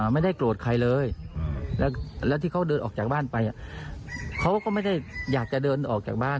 ไม่ได้โกรธใครเลยแล้วที่เขาเดินออกจากบ้านไปเขาก็ไม่ได้อยากจะเดินออกจากบ้าน